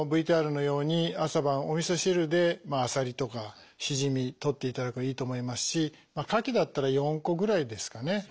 ＶＴＲのように朝晩おみそ汁であさりとかしじみとっていただくのはいいと思いますしかきだったら４個ぐらいですかね。